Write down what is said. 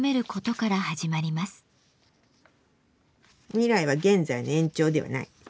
未来は現在の延長ではない。